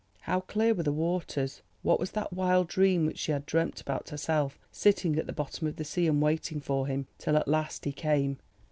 How clear were the waters! What was that wild dream which she had dreamt about herself sitting at the bottom of the sea, and waiting for him—till at last he came.